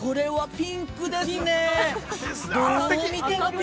ピンクです。